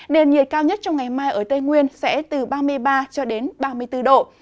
nền nhiệt cao nhất trong ngày mai ở tây nguyên sẽ từ ba mươi ba cho đến ba mươi bốn độ